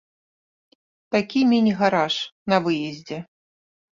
Такі міні-гараж на выездзе.